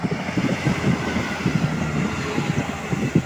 তাঁহারা মিথ্যা তর্কযুক্তির আশ্রয় গ্রহণ করিতে চাহেন নাই।